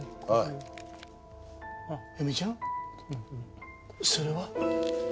ああ。